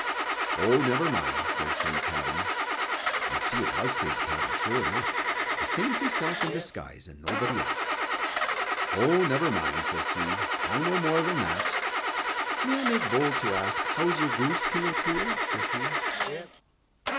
"Oh, never mind," says Saint Kavin. You see it was Saint Kavin, sure enough the saint himself in disguise, and nobody else. "Oh, never mind," says he, "I know more than that. May I make bold to ask how is your goose, King O'Toole?" says he.